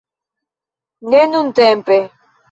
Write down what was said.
Ne nuntempe